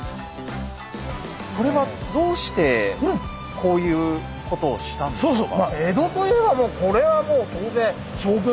これはどうしてこういうことをしたんですか？